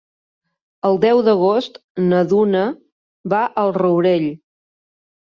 El deu d'agost na Duna va al Rourell.